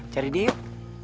cari dia yuk